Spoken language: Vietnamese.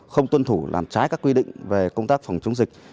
không tuân thủ làm trái các quy định về công tác phòng chống dịch